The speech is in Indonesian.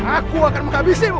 aku akan menghabisimu